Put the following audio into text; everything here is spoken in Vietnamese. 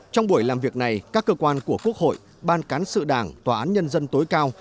trong buổi làm việc này các cơ quan của quốc hội ban cán sự đảng tòa án nhân dân tối cao